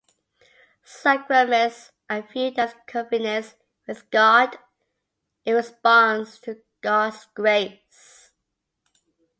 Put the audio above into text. Sacraments are viewed as covenants with God in response to God's grace.